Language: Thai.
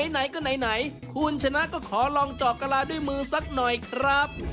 ไหนก็ไหนคุณชนะก็ขอลองเจาะกะลาด้วยมือสักหน่อยครับ